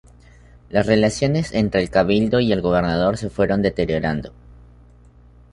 Las relaciones entre el Cabildo y el gobernador se fueron deteriorando.